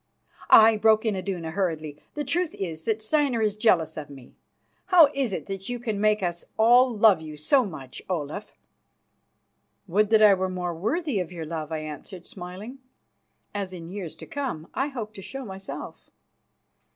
"Aye," broke in Iduna hurriedly. "The truth is that Steinar is jealous of me. How is it that you can make us all love you so much, Olaf?" "Would that I were more worthy of your love," I answered, smiling, "as in years to come I hope to show myself."